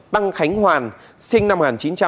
tăng khánh hoàn sinh năm một nghìn chín trăm tám mươi